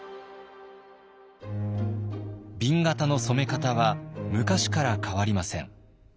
紅型の染め方は昔から変わりません。